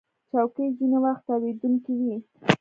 چوکۍ ځینې وخت تاوېدونکې وي.